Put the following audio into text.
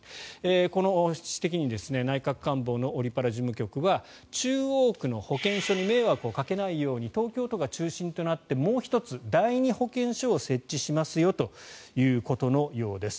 この指摘に内閣官房のオリ・パラ事務局は中央区の保健所に迷惑をかけないように東京都が中心となってもう１つ、第２保健所を設置しますよということのようです。